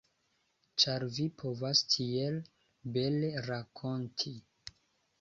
Ĉar vi povas tiel bele rakonti.